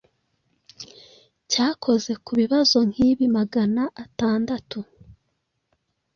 cyakoze ku bibazo nk'ibi Magana atandatu